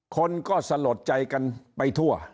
คนก็สลดใจกันไปทั่ว